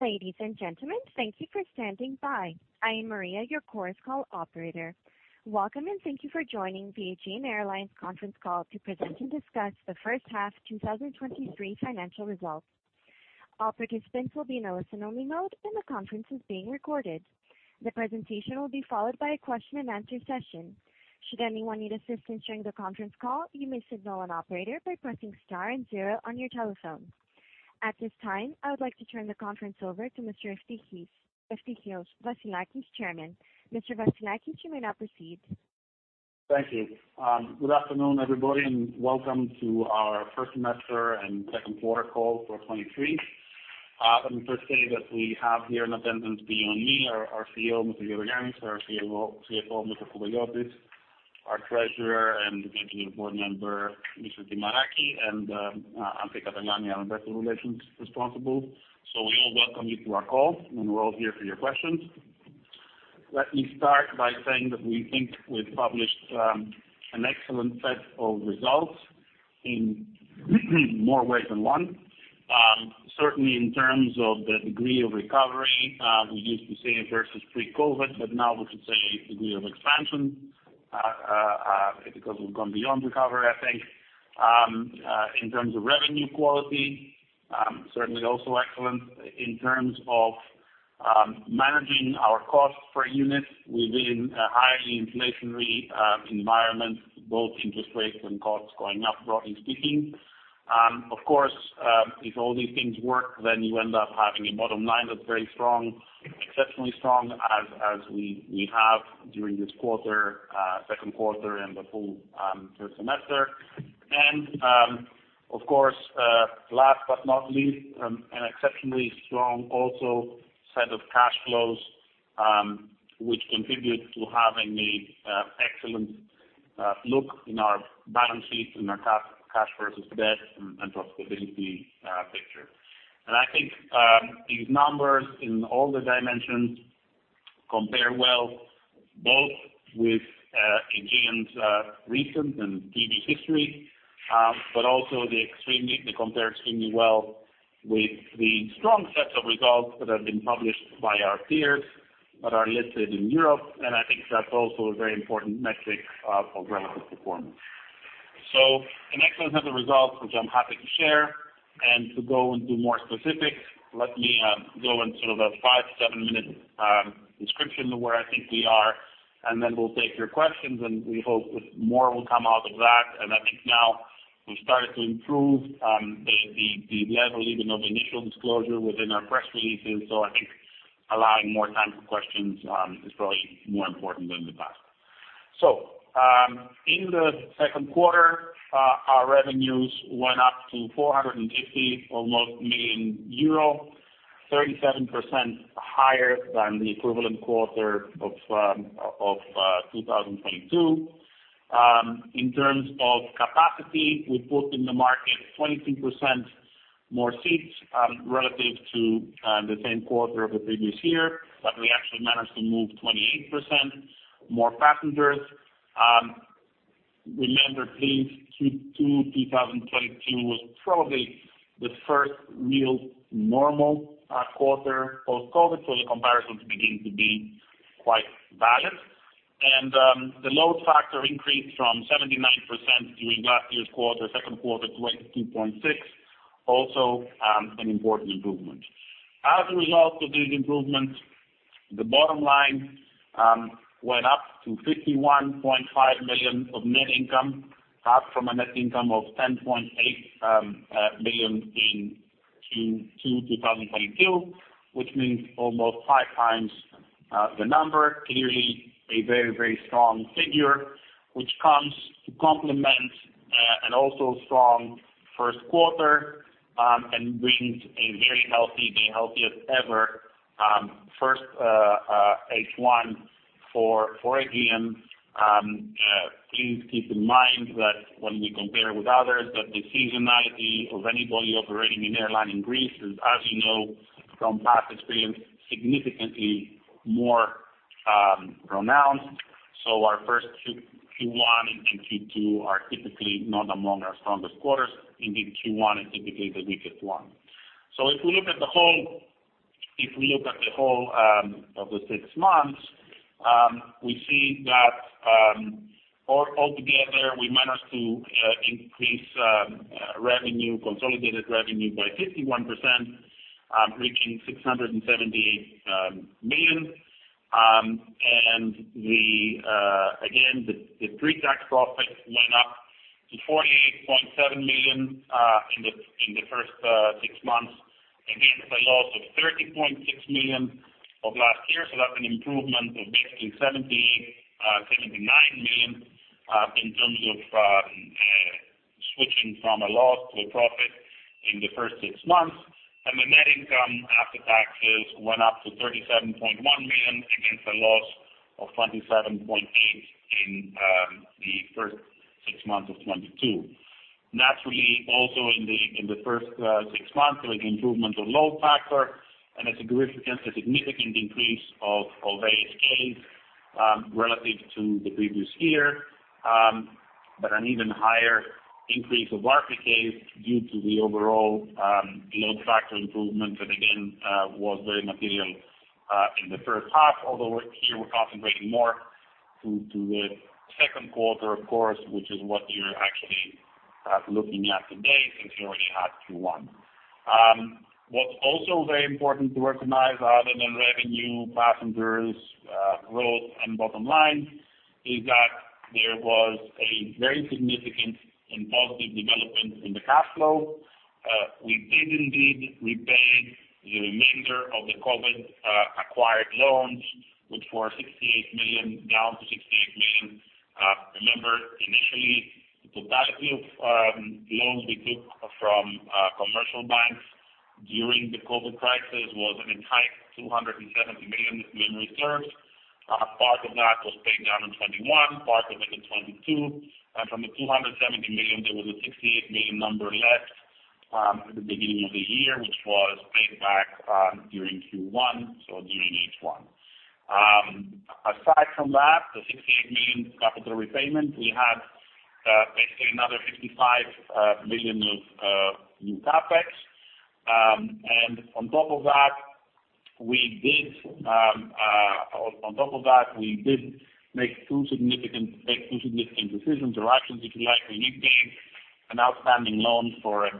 Ladies and gentlemen, thank you for standing by. I am Maria, your Chorus Call operator. Welcome, and thank you for joining Aegean Airlines conference call to present and discuss the First Half 2023 Financial Results. All participants will be in a listen-only mode, and the conference is being recorded. The presentation will be followed by a question-and-answer session. Should anyone need assistance during the conference call, you may signal an operator by pressing star and zero on your telephone. At this time, I would like to turn the conference over to Mr. Eftichios Vassilakis, Chairman. Mr. Vassilakis, you may now proceed. Thank you. Good afternoon, everybody, and welcome to our first semester and Q2 call for 2023. Let me first say that we have here in attendance beyond me, our CEO, Mr. Gerogiannis, our CFO, Mr. Kouveliotis, our treasurer and executive board member, Ms. Dimaraki, and Anthi Katelani on investor relations responsible. So we all welcome you to our call, and we're all here for your questions. Let me start by saying that we think we've published an excellent set of results in more ways than one. Certainly in terms of the degree of recovery, we used to say versus pre-COVID, but now we should say degree of expansion, because we've gone beyond recovery, I think. In terms of revenue quality, certainly also excellent. In terms of managing our cost per unit within a highly inflationary environment, both interest rates and costs going up, broadly speaking. Of course, if all these things work, then you end up having a bottom line that's very strong, exceptionally strong as we have during this quarter, Q2 and the full first semester. Of course, last but not least, an exceptionally strong also set of cash flows, which contribute to having an excellent look in our balance sheet, in our cash versus debt and profitability picture. I think these numbers in all the dimensions compare well, both with Aegean's recent and previous history, but also they compare extremely well with the strong sets of results that have been published by our peers that are listed in Europe, and I think that's also a very important metric of relative performance. So an excellent set of results, which I'm happy to share, and to go into more specifics, let me go in sort of a 5- to 7-minute description of where I think we are, and then we'll take your questions, and we hope more will come out of that. I think now we've started to improve the level even of initial disclosure within our press releases. So I think allowing more time for questions is probably more important than in the past. So, in the Q2, our revenues went up to almost 450 million euro, 37% higher than the equivalent quarter of 2022. In terms of capacity, we put in the market 22% more seats, relative to the same quarter of the previous year, but we actually managed to move 28% more passengers. Remember, please, Q2 2022 was probably the first real normal quarter post-COVID, so the comparisons begin to be quite valid. And, the load factor increased from 79% during last year's quarter, Q2, to 82.6%, also an important improvement. As a result of these improvements, the bottom line went up to 51.5 million of net income, up from a net income of 10.8 million in Q2 2022, which means almost 5 times the number. Clearly a very, very strong figure, which comes to complement an also strong Q1 and brings a very healthy, the healthiest ever, first H1 for Aegean. Please keep in mind that when we compare with others, that the seasonality of anybody operating an airline in Greece is, as you know from past experience, significantly more pronounced. So our first Q1 and Q2 are typically not among our strongest quarters. Indeed, Q1 is typically the weakest one. So if we look at the whole of the six months, we see that all together we managed to increase consolidated revenue by 51%, reaching 678 million. And again, the pre-tax profits went up to 48.7 million in the first six months, against a loss of 30.6 million of last year. So that's an improvement of basically 79 million in terms of switching from a loss to a profit in the first six months. And the net income after taxes went up to 37.1 million against a loss of 27.8 million in the first six months of 2022. Naturally, also in the first six months, there was improvement on load factor and a significant increase of ASK relative to the previous year, but an even higher increase of RPKs due to the overall load factor improvement, that again was very material in the first half. Although here we're concentrating more to the Q2, of course, which is what you're actually looking at today, since you already had Q1. What's also very important to recognize other than revenue, passengers growth, and bottom line, is that there was a very significant and positive development in the cash flow. We did indeed repay the remainder of the COVID acquired loans, which were 68 million, down to 68 million. Remember, initially, the totality of loans we took from commercial banks during the COVID crisis was an entire 270 million that we reserved. Part of that was paid down in 2021, part of it in 2022, and from the 270 million, there was a 68 million number left at the beginning of the year, which was paid back during Q1, so during H1. Aside from that, the 68 million capital repayment, we had basically another 55 million of new CapEx. And on top of that, we did make two significant decisions or actions, if you like. We regained an outstanding loan for a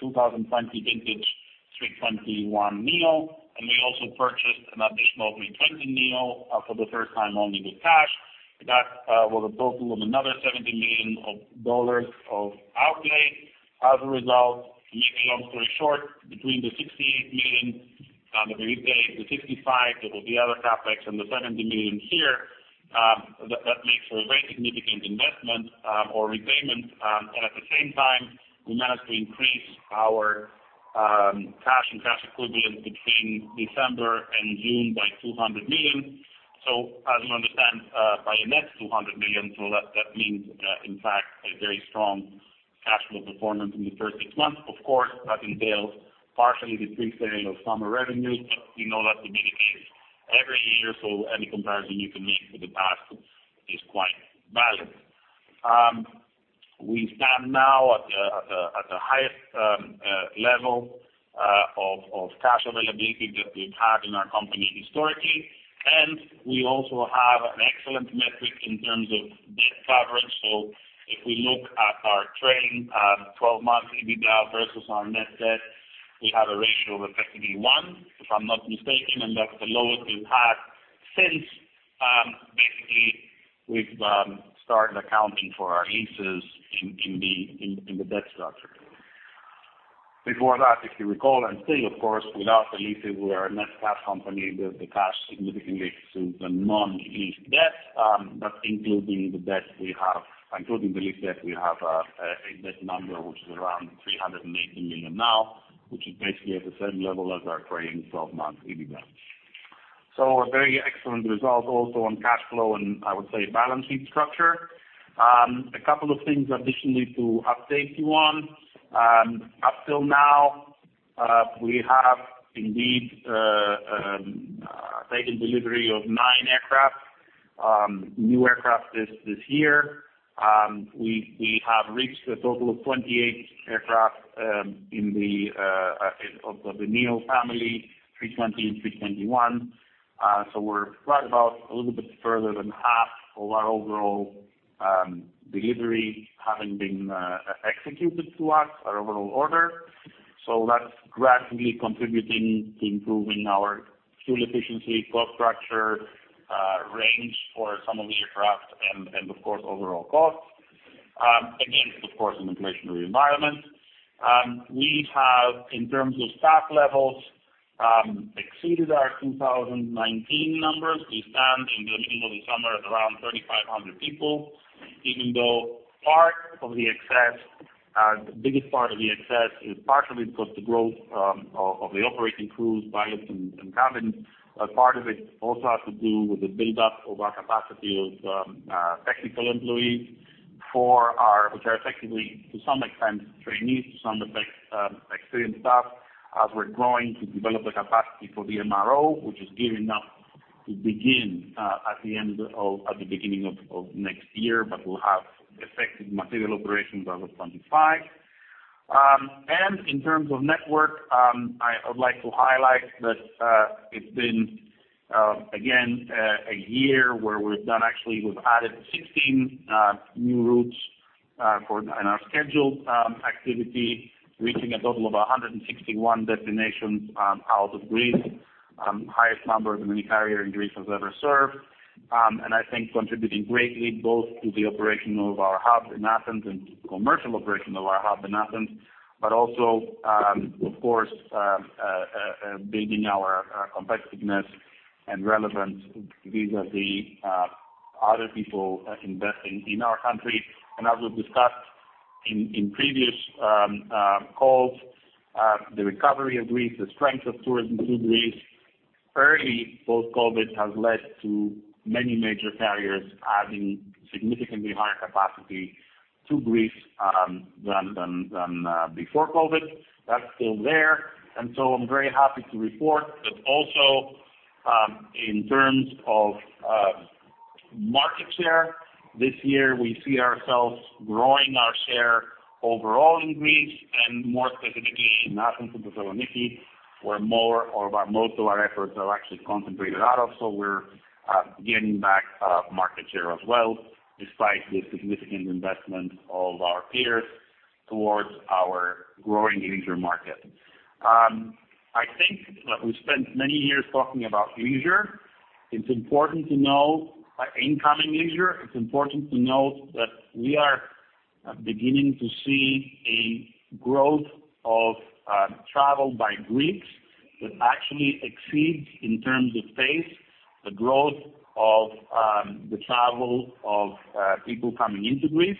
2020 vintage A321neo, and we also purchased an additional A320neo for the first time only with cash. That was a total of another $70 million of outlay. As a result, to make a long story short, between the 68 million that we repaid, the 55, that was the other CapEx, and the $70 million here, that makes for a very significant investment or repayment. And at the same time, we managed to increase our cash and cash equivalent between December and June by 200 million. So as you understand, by a net 200 million, that means in fact a very strong cash flow performance in the first six months. Of course, that entails partially the pre-sale of summer revenues, but we know that to be the case every year, so any comparison you can make with the past is quite valid. We stand now at the highest level of cash availability that we've had in our company historically, and we also have an excellent metric in terms of debt coverage. So if we look at our trailing twelve-month EBITDA versus our net debt, we have a ratio of effectively one, if I'm not mistaken, and that's the lowest we've had since basically we've started accounting for our leases in the debt structure. Before that, if you recall, and still, of course, without the leases, we are a net cash company with the cash significantly to the non-lease debt, but including the debt we have... including the lease debt, we have a debt number, which is around 380 million now, which is basically at the same level as our trailing 12-month EBITDA. So a very excellent result also on cash flow, and I would say, balance sheet structure. A couple of things additionally to update you on. Up till now, we have indeed taken delivery of 9 aircraft, new aircraft this year. We have reached a total of 28 aircraft in the neo family, 320, 321. So we're right about a little bit further than half of our overall delivery having been executed to us, our overall order. So that's gradually contributing to improving our fuel efficiency, cost structure, range for some of the aircraft and, and of course, overall costs. Again, of course, in an inflationary environment. We have, in terms of staff levels, exceeded our 2019 numbers. We stand in the middle of the summer at around 3,500 people, even though part of the excess, the biggest part of the excess is partially because the growth of, of the operating crews, pilots and, and cabin. But part of it also has to do with the buildup of our capacity of technical employees for our, which are effectively, to some extent, trainees, to some extent, experienced staff, as we're growing to develop the capacity for the MRO, which is gearing up to begin at the beginning of next year, but will have effective material operations as of 2025. And in terms of network, I would like to highlight that it's been again a year where we've done actually, we've added 16 new routes in our scheduled activity, reaching a total of 161 destinations out of Greece. Highest number that any carrier in Greece has ever served. And I think contributing greatly both to the operation of our hub in Athens and to the commercial operation of our hub in Athens, but also, of course, building our competitiveness and relevance. These are the other people investing in our country. And as we've discussed in previous calls, the recovery of Greece, the strength of tourism to Greece, early post-COVID, has led to many major carriers having significantly higher capacity to Greece than before COVID. That's still there, and so I'm very happy to report that also, in terms of market share, this year, we see ourselves growing our share overall in Greece, and more specifically in Athens and Thessaloniki, where most of our efforts are actually concentrated out of. So we're gaining back market share as well, despite the significant investment of our peers towards our growing leisure market. I think that we spent many years talking about leisure. It's important to know incoming leisure. It's important to note that we are beginning to see a growth of travel by Greeks that actually exceeds, in terms of pace, the growth of the travel of people coming into Greece.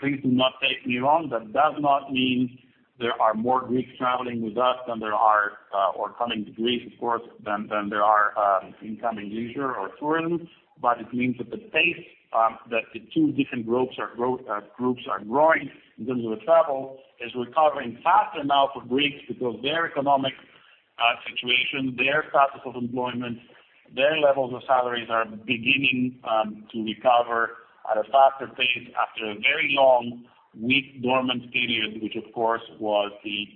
Please do not take me wrong. That does not mean there are more Greeks traveling with us than there are or coming to Greece, of course, than there are incoming leisure or tourism. But it means that the pace that the two different groups are growing in terms of the travel is recovering faster now for Greeks because their economic situation, their status of employment, their levels of salaries are beginning to recover at a faster pace after a very long, weak, dormant period, which, of course, was the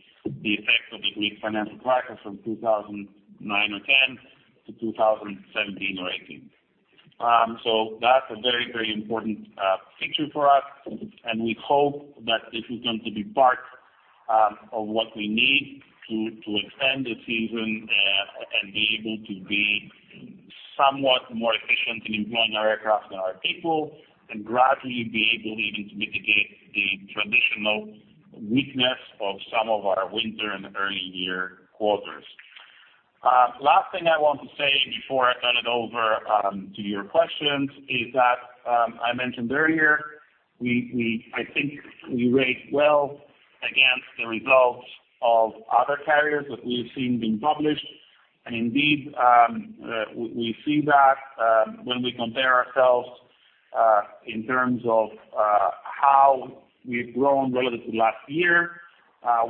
effect of the Greek financial crisis from 2009 or 2010 to 2017 or 2018. So that's a very, very important picture for us, and we hope that this is going to be part of what we need to extend the season and be able to be somewhat more efficient in employing our aircraft and our people, and gradually be able even to mitigate the traditional weakness of some of our winter and early year quarters. Last thing I want to say before I turn it over to your questions is that, I mentioned earlier, we- I think we rate well against the results of other carriers that we've seen being published. And indeed, we see that, when we compare ourselves in terms of how we've grown relative to last year,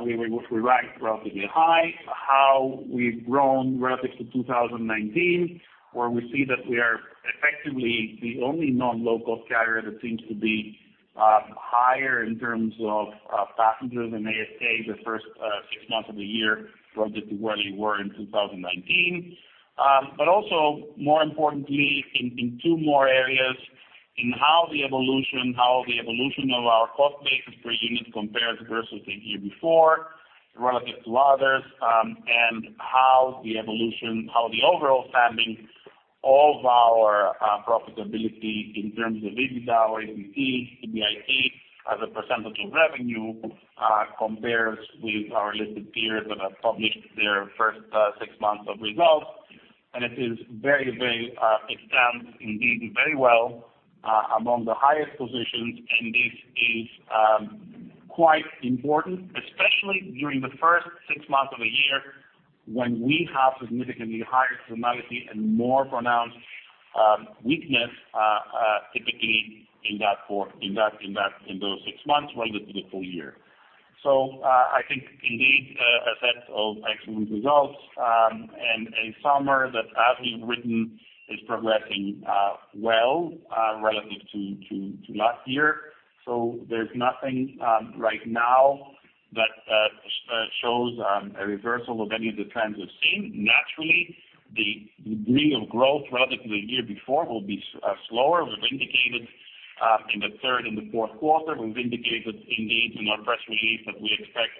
we rank relatively high. How we've grown relative to 2019, where we see that we are effectively the only non-low cost carrier that seems to be higher in terms of passengers in ASK, the first six months of the year, relative to where we were in 2019. But also, more importantly, in two more areas, in how the evolution of our cost basis per unit compares versus the year before, relative to others, and how the overall standing of our profitability in terms of EBITDA, EBIT, EBIT as a percentage of revenue compares with our listed peers that have published their first six months of results. It is very, very, it stands indeed very well among the highest positions, and this is quite important, especially during the first six months of the year, when we have significantly higher seasonality and more pronounced weakness typically in those six months relative to the full year. So, I think indeed a set of excellent results and a summer that, as we've written, is progressing well relative to last year. So there's nothing right now that shows a reversal of any of the trends we've seen. Naturally, the degree of growth relative to the year before will be slower. We've indicated in the third and the Q4, we've indicated indeed in our press release, that we expect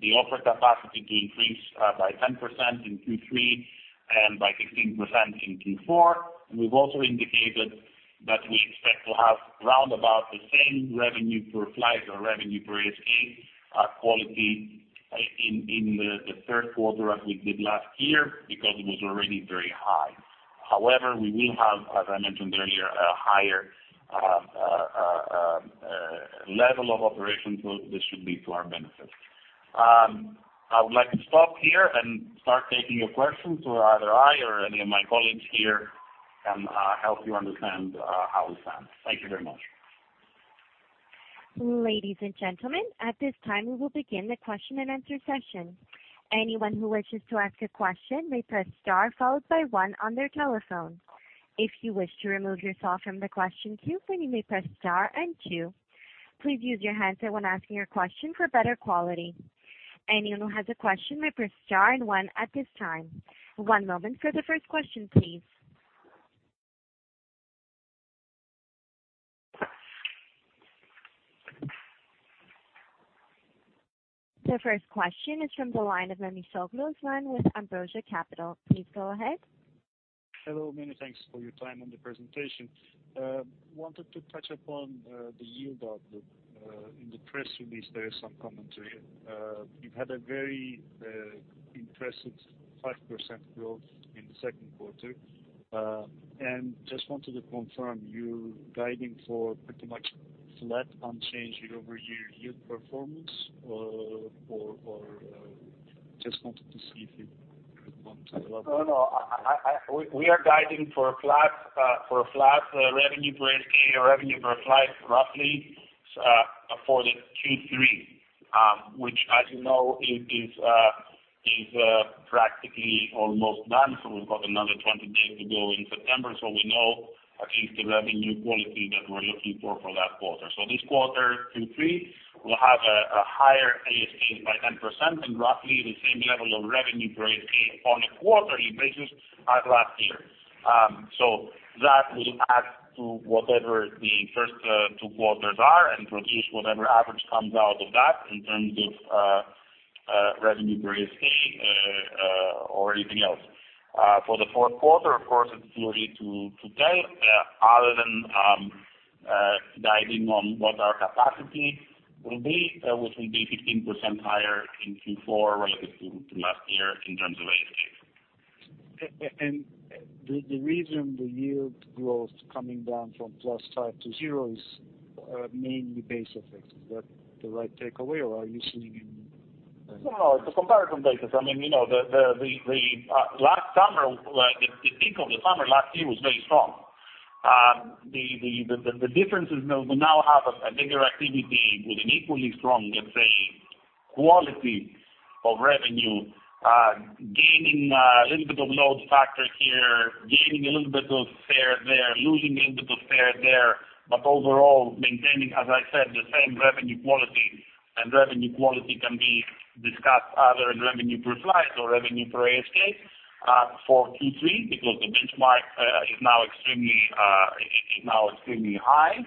the offered capacity to increase by 10% in Q3 and by 16% in Q4. And we've also indicated that we expect to have round about the same revenue per flight or revenue per ASK quality in the Q3 as we did last year, because it was already very high. However, we will have, as I mentioned earlier, a higher level of operations. This should be to our benefit. I would like to stop here and start taking your questions so either I or any of my colleagues here can help you understand how we stand. Thank you very much. Ladies and gentlemen, at this time, we will begin the question-and-answer session. Anyone who wishes to ask a question may press star, followed by one on their telephone. If you wish to remove yourself from the question queue, then you may press star and two. Please use your handset when asking your question for better quality. Anyone who has a question may press star and one at this time. One moment for the first question, please. The first question is from the line of Paris Mantzavras with Ambrosia Capital. Please go ahead. Hello, many thanks for your time on the presentation. Wanted to touch upon the yield outlook. In the press release, there is some commentary. You've had a very impressive 5% growth in the Q2. Just wanted to confirm, you're guiding for pretty much flat, unchanged year-over-year yield performance, or just wanted to see if you- No, we are guiding for a flat revenue per ASK or revenue per flight roughly for Q3, which as you know is practically almost done. So we've got another 20 days to go in September, so we know at least the revenue quality that we're looking for for that quarter. So this quarter, Q3, will have a higher ASK by 10% and roughly the same level of revenue per ASK on a quarterly basis as last year. So that will add to whatever the first 2 quarters are and produce whatever average comes out of that in terms of revenue per ASK or anything else. For the Q4, of course, it's too early to tell, other than guiding on what our capacity will be, which will be 15% higher in Q4 relative to last year in terms of ASK. And the reason the yield growth coming down from +5 to 0 is mainly base effects. Is that the right takeaway, or are you seeing any? No, the comparison basis, I mean, you know, last summer, like, the peak of the summer last year was very strong. The differences we now have a bigger activity with an equally strong, let's say, quality of revenue, gaining a little bit of load factor here, gaining a little bit of fare there, losing a little bit of fare there, but overall, maintaining, as I said, the same revenue quality, and revenue quality can be discussed either in revenue per flight or revenue per ASK for Q3, because the benchmark is now extremely high.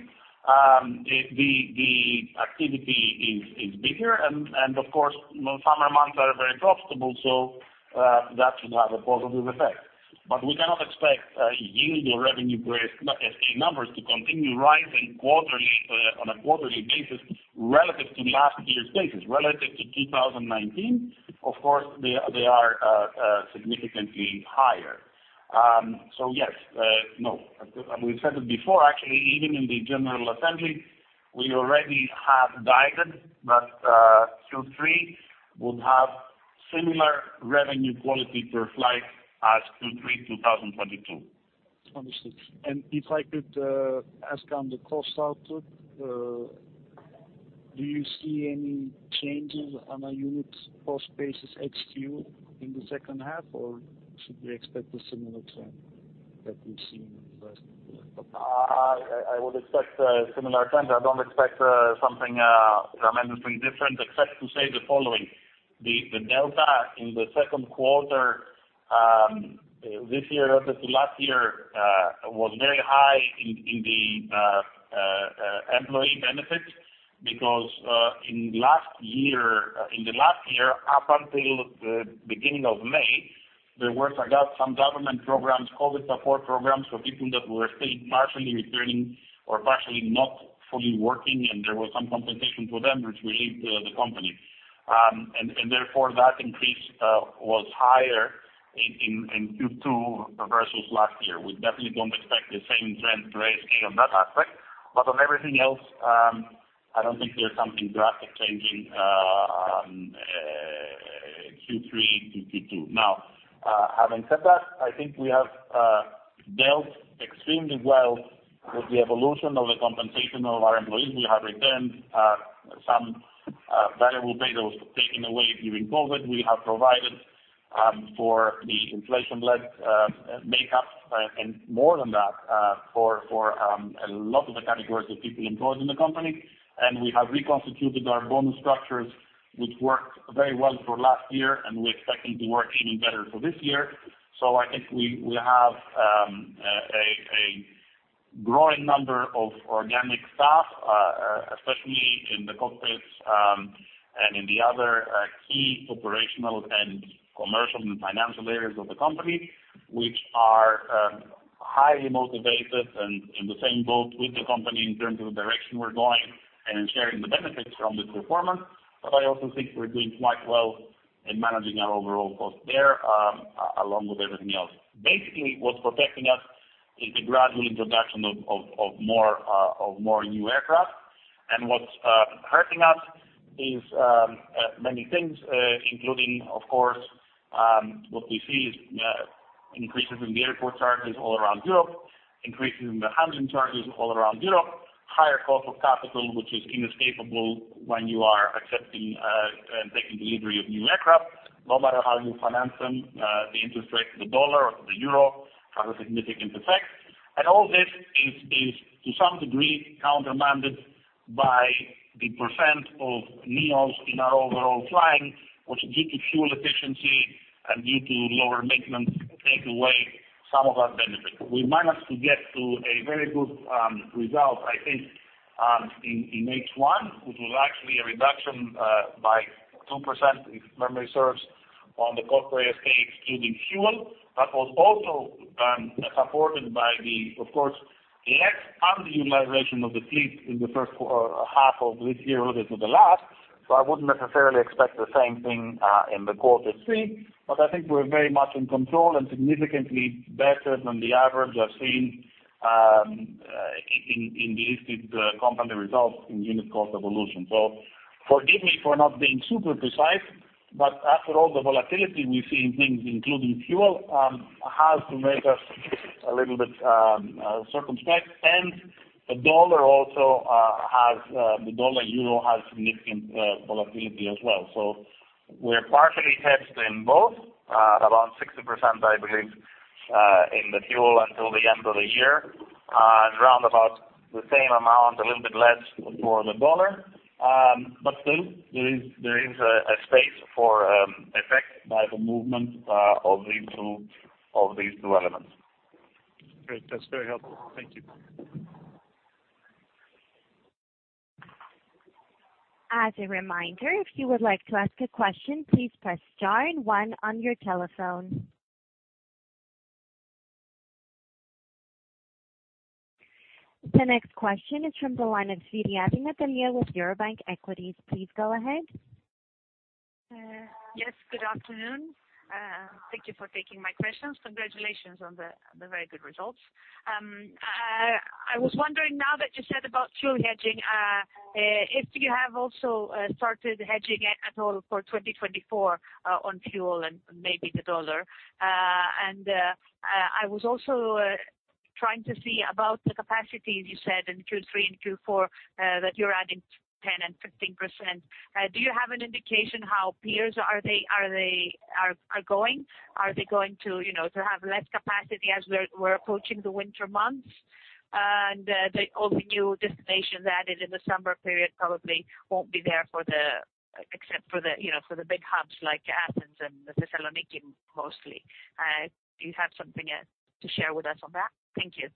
The activity is bigger, and of course, summer months are very profitable, so that should have a positive effect. But we cannot expect a yield or revenue per ASK numbers to continue rising quarterly, on a quarterly basis relative to last year's basis. Relative to 2019, of course, they are significantly higher. So, yes, no, we've said it before, actually, even in the general assembly, we already have guided that Q3 would have similar revenue quality per flight as Q3 2022. Understood. If I could, ask on the cost output, do you see any changes on a unit cost basis ex-fuel in the second half, or should we expect a similar trend that we've seen in the last quarter? I would expect a similar trend. I don't expect something tremendously different, except to say the following: the delta in the Q2 this year relative to last year was very high in the employee benefits, because in last year, up until the beginning of May, there were some government programs, COVID support programs for people that were still partially returning or partially not fully working, and there was some compensation to them, which we leave to the company. And therefore, that increase was higher in Q2 versus last year. We definitely don't expect the same trend per ASK on that aspect, but on everything else, I don't think there's something drastic changing Q3 2022. Now, having said that, I think we have dealt extremely well with the evolution of the compensation of our employees. We have retained some variable pay that was taken away during COVID. We have provided for the inflation-led makeup, and more than that, for a lot of the categories of people employed in the company. We have reconstituted our bonus structures, which worked very well for last year, and we expect them to work even better for this year. So I think we have a growing number of organic staff, especially in the cockpits, and in the other key operational and commercial and financial areas of the company, which are highly motivated and in the same boat with the company in terms of the direction we're going and sharing the benefits from this performance. But I also think we're doing quite well in managing our overall cost there, along with everything else. Basically, what's protecting us is the gradual introduction of more new aircraft. What's hurting us is many things, including, of course, what we see is increases in the airport charges all around Europe, increases in the handling charges all around Europe, higher cost of capital, which is inescapable when you are accepting and taking delivery of new aircraft. No matter how you finance them, the interest rate, the dollar, or the euro, have a significant effect. And all this is to some degree countermanded by the percent of neos in our overall flying, which due to fuel efficiency and due to lower maintenance take away some of our benefits. We managed to get to a very good result, I think, in H1, which was actually a reduction by 2%, if memory serves, on the corporate ASK, excluding fuel, but was also supported by the, of course, less underutilization of the fleet in the Q1 or half of this year relative to the last. So I wouldn't necessarily expect the same thing in quarter three, but I think we're very much in control and significantly better than the average I've seen in the listed company results in unit cost evolution. So forgive me for not being super precise. But after all the volatility we see in things, including fuel, has to make us a little bit circumspect. And the dollar also has the dollar-euro has significant volatility as well. So we're partially hedged in both, around 60%, I believe, in the fuel until the end of the year, and round about the same amount, a little bit less for the dollar. But still, there is a space for effect by the movement of these two elements. Great. That's very helpful. Thank you. As a reminder, if you would like to ask a question, please press star and one on your telephone. The next question is from the line of Natalia Svyriadi with Eurobank Equities. Please go ahead. Yes, good afternoon. Thank you for taking my questions. Congratulations on the very good results. I was wondering now that you said about fuel hedging, if you have also started hedging at all for 2024, on fuel and maybe the US dollar? And I was also trying to see about the capacities you said in Q3 and Q4 that you're adding 10% and 15%. Do you have an indication how peers are going? Are they going to, you know, have less capacity as we're approaching the winter months? And all the new destinations added in the summer period probably won't be there for the, except for the, you know, for the big hubs like Athens and Thessaloniki mostly. Do you have something to share with us on that? Thank you.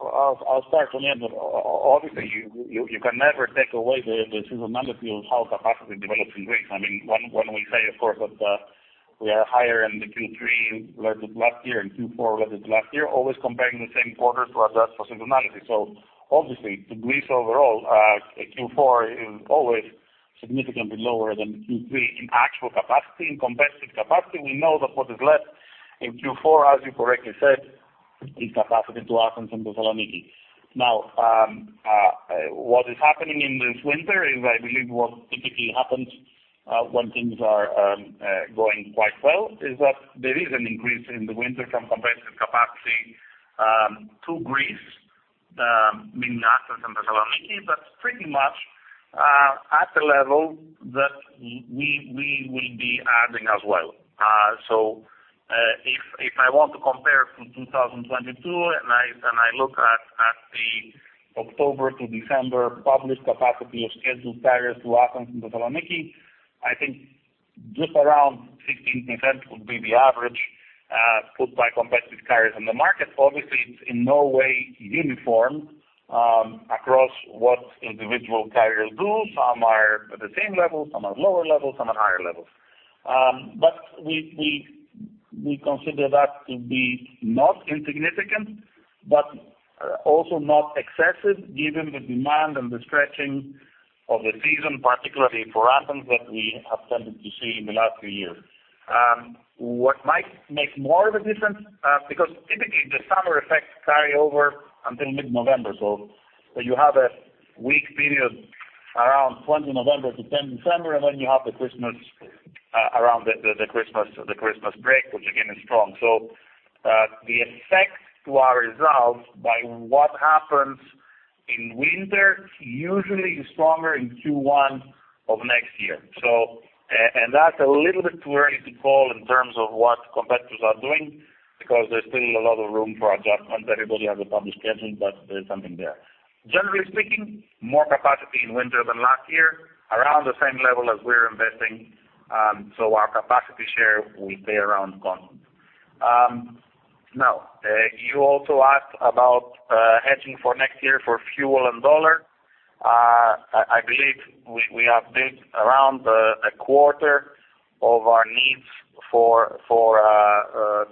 I'll start on the end. Obviously, you can never take away the seasonality of how capacity develops in Greece. I mean, when we say, of course, that we are higher in the Q3 relative to last year and Q4 relative to last year, always comparing the same quarter to adjust for seasonality. So obviously, to Greece overall, Q4 is always significantly lower than Q3 in actual capacity. In competitive capacity, we know that what is left in Q4, as you correctly said, is capacity to Athens and Thessaloniki. Now, what is happening in this winter is, I believe, what typically happens when things are going quite well, is that there is an increase in the winter from competitive capacity to Greece, meaning Athens and Thessaloniki, but pretty much at a level that we will be adding as well. So, if I want to compare to 2022, and I look at the October to December published capacity of scheduled carriers to Athens and Thessaloniki, I think just around 15% would be the average put by competitive carriers on the market. Obviously, it's in no way uniform across what individual carriers do. Some are at the same level, some are lower level, some are higher level. But we consider that to be not insignificant, but also not excessive, given the demand and the stretching of the season, particularly for Athens, that we have tended to see in the last few years. What might make more of a difference, because typically the summer effects carry over until mid-November, so you have a weak period around 20 November to 10 December, and then you have the Christmas around the Christmas break, which again, is strong. So, the effect to our results by what happens in winter usually is stronger in Q1 of next year. So, and that's a little bit too early to call in terms of what competitors are doing because there's still a lot of room for adjustment. Everybody has a published schedule, but there's something there. Generally speaking, more capacity in winter than last year, around the same level as we're investing, so our capacity share will stay around the same. Now, you also asked about hedging for next year for fuel and dollar. I believe we have built around a quarter of our needs for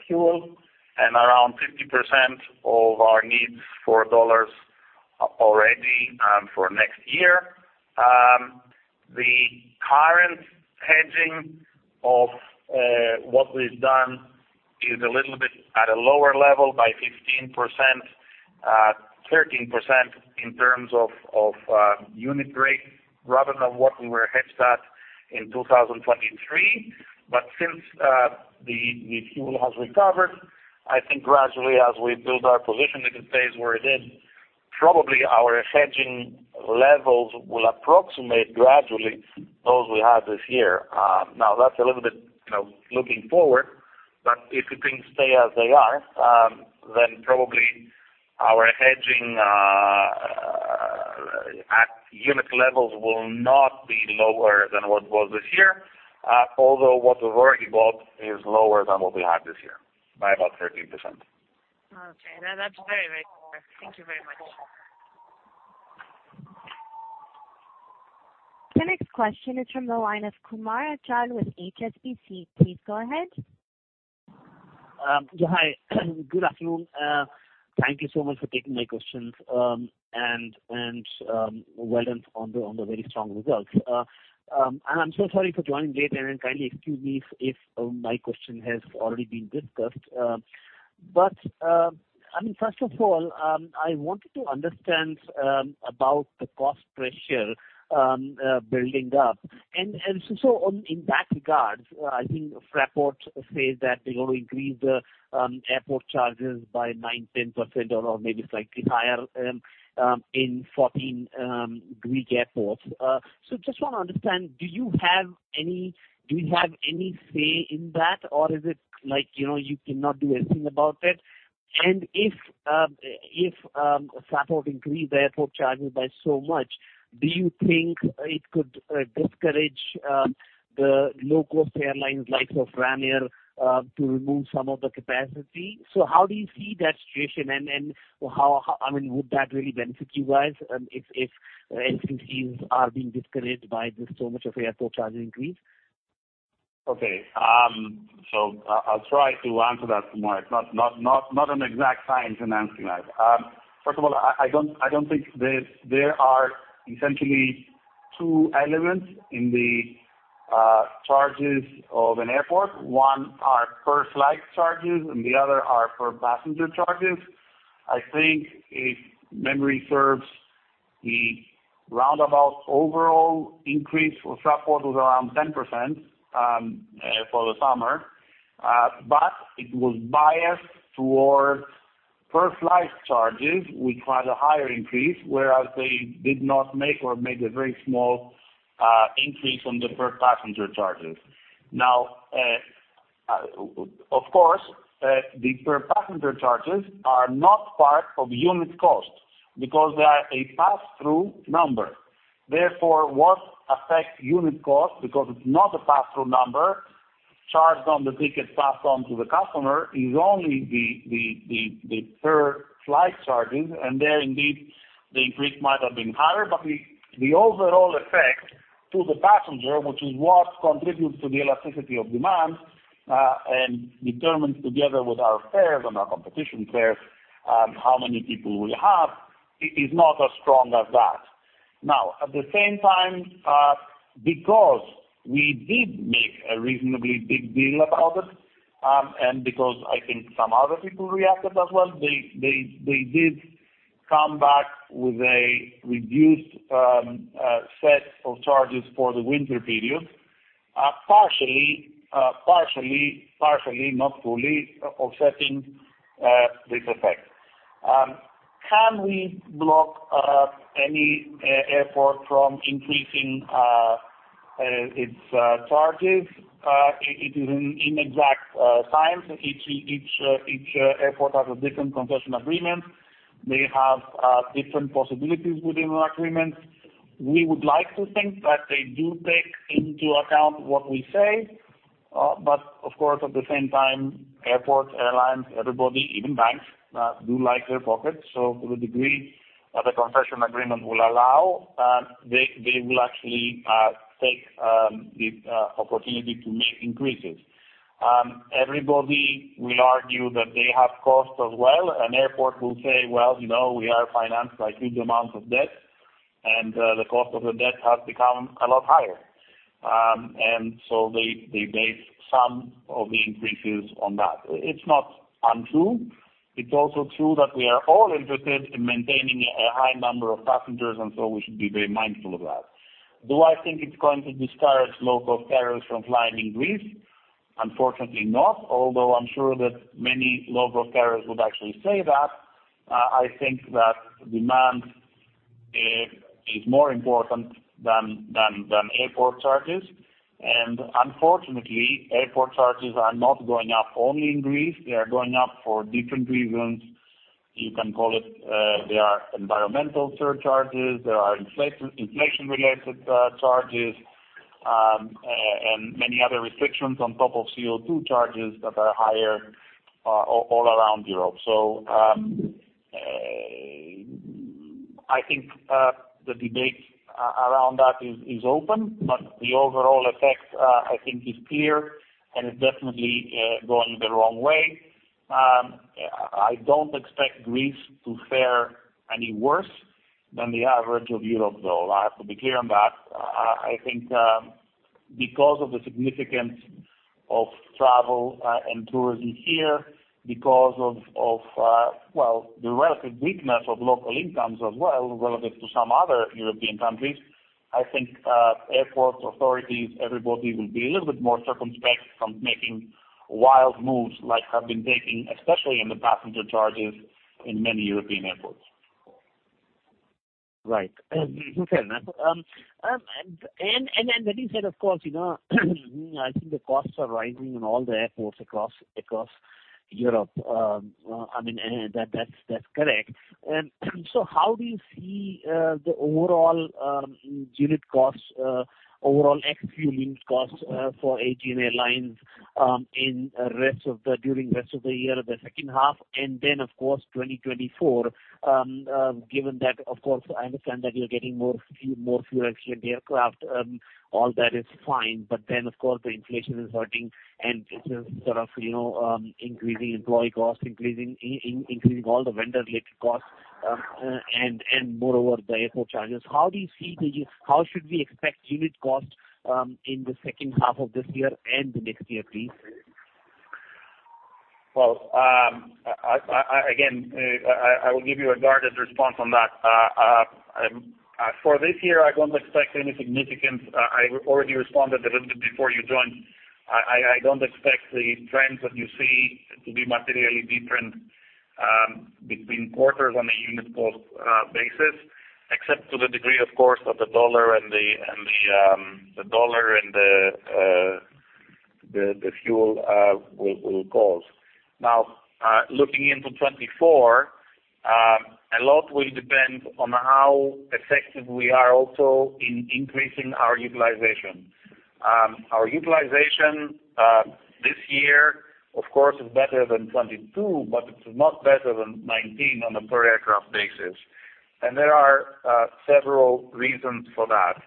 fuel and around 50% of our needs for dollars already, for next year. The current hedging of what we've done is a little bit at a lower level by 15%, 13% in terms of unit price, rather than what we were hedged at in 2023. But since the fuel has recovered, I think gradually as we build our position in the phase we're in, probably our hedging levels will approximate gradually those we have this year. Now that's a little bit, you know, looking forward, but if the things stay as they are, then probably our hedging at unit levels will not be lower than what was this year, although what we've already bought is lower than what we had this year by about 13%. Okay. That's very, very clear. Thank you very much. The next question is from the line of Achal Kumar with HSBC. Please go ahead. Hi, good afternoon. Thank you so much for taking my questions, and well done on the very strong results. I'm so sorry for joining late, and kindly excuse me if my question has already been discussed. But I mean, first of all, I wanted to understand about the cost pressure building up. And so on, in that regard, I think Fraport says that they're going to increase the airport charges by 9%-10% or maybe slightly higher in 14 Greek airports. So just want to understand, do you have any say in that, or is it like, you know, you cannot do anything about it? And if Fraport increase the airport charges by so much, do you think it could discourage the low-cost airlines like of Ryanair to remove some of the capacity? So how do you see that situation, and I mean, would that really benefit you guys if LCCs are being discouraged by this so much of airport charging increase? Okay, so I'll try to answer that tomorrow. It's not an exact science in answering that. First of all, I don't think there are essentially two elements in the charges of an airport. One are per flight charges, and the other are per passenger charges. I think if memory serves, the roundabout overall increase for Fraport was around 10% for the summer, but it was biased towards per flight charges, which had a higher increase, whereas they did not make or made a very small increase on the per passenger charges. Now, of course, the per passenger charges are not part of unit cost because they are a pass-through number. Therefore, what affects unit cost, because it's not a pass-through number, charged on the ticket passed on to the customer, is only the per flight charging, and there indeed, the increase might have been higher. But the overall effect to the passenger, which is what contributes to the elasticity of demand, and determines together with our fares and our competition fares, how many people we have, it is not as strong as that. Now, at the same time, because we did make a reasonably big deal about it, and because I think some other people reacted as well, they did come back with a reduced set of charges for the winter period, partially, not fully offsetting, this effect. Can we block any airport from increasing its charges? It is an inexact science. Each airport has a different concession agreement. They have different possibilities within our agreements. We would like to think that they do take into account what we say, but of course, at the same time, airports, airlines, everybody, even banks do like their pockets. So to the degree that the concession agreement will allow, they will actually take the opportunity to make increases. Everybody will argue that they have costs as well. An airport will say, "Well, you know, we are financed by huge amounts of debt, and the cost of the debt has become a lot higher." And so they base some of the increases on that. It's not untrue. It's also true that we are all interested in maintaining a high number of passengers, and so we should be very mindful of that. Do I think it's going to discourage low-cost carriers from flying in Greece? Unfortunately not, although I'm sure that many low-cost carriers would actually say that. I think that demand is more important than airport charges. And unfortunately, airport charges are not going up only in Greece, they are going up for different reasons. You can call it, there are environmental surcharges, there are inflation, inflation-related charges, and many other restrictions on top of CO2 charges that are higher all around Europe. So, I think the debate around that is open, but the overall effect I think is clear, and it's definitely going the wrong way. I don't expect Greece to fare any worse than the average of Europe, though. I have to be clear on that. I think, because of the significance of travel and tourism here, because of, well, the relative weakness of local incomes as well, relative to some other European countries, I think, airport authorities, everybody will be a little bit more circumspect from making wild moves like have been taking, especially in the passenger charges in many European airports. Right. Fair enough. And that being said, of course, you know, I think the costs are rising in all the airports across Europe. I mean, that's correct. So how do you see the overall unit costs, overall ex-fueling costs, for Aegean Airlines, in, during rest of the year, the second half, and then, of course, 2024, given that, of course, I understand that you're getting more few, more fuel-efficient aircraft, all that is fine, but then, of course, the inflation is hurting and this is sort of, you know, increasing employee costs, increasing all the vendor-related costs, and moreover, the airport charges. How do you see the... How should we expect unit cost in the second half of this year and the next year, please? Well, again, I will give you a guarded response on that. For this year, I don't expect any significant. I already responded a little bit before you joined. I don't expect the trends that you see to be materially different, between quarters on a unit cost basis, except to the degree, of course, of the dollar and the dollar and the fuel will cause. Now, looking into 2024, a lot will depend on how effective we are also in increasing our utilization. Our utilization, this year, of course, is better than 2022, but it's not better than 2019 on a per aircraft basis. And there are several reasons for that.